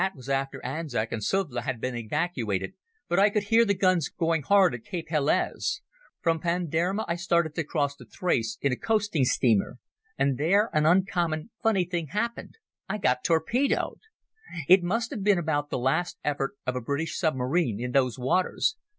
That was after Anzac and Suvla had been evacuated, but I could hear the guns going hard at Cape Helles. From Panderma I started to cross to Thrace in a coasting steamer. And there an uncommon funny thing happened—I got torpedoed. "It must have been about the last effort of a British submarine in those waters.